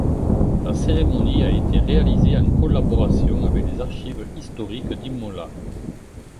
La cérémonie a été réalisée en collaboration avec les archives historiques d'Imola.